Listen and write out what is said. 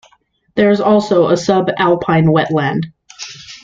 There is also a sub-alpine wetland.